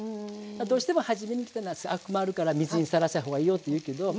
どうしてもはじめに切ったなすアク回るから水にさらした方がいいよって言うけどまあ